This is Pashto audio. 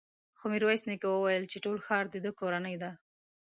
خو ميرويس نيکه وويل چې ټول ښار د ده کورنۍ ده.